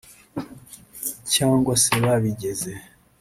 cyangwa se babigeze